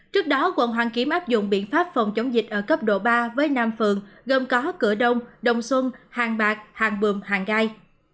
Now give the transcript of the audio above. trước đó quận hoàn kiếm áp dụng biện pháp phòng chống dịch ở cấp độ ba với năm phường gồm có cửa đông đồng xuân hàng bạc hàng bưm hàng gai